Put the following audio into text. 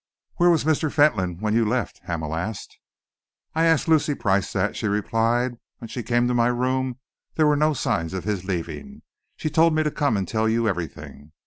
"Where was Mr. Fentolin when you left?" Hamel asked. "I asked Lucy Price that," she replied. "When she came to my room, there were no signs of his leaving. She told me to come and tell you everything.